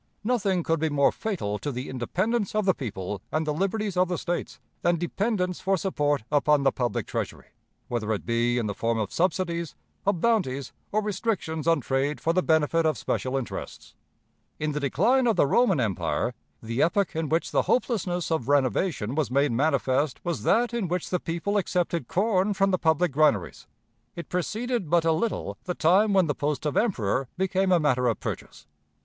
Nothing could be more fatal to the independence of the people and the liberties of the States than dependence for support upon the public Treasury, whether it be in the form of subsidies, of bounties, or restrictions on trade for the benefit of special interests. In the decline of the Roman Empire, the epoch in which the hopelessness of renovation was made manifest was that in which the people accepted corn from the public granaries: it preceded but a little the time when the post of emperor became a matter of purchase.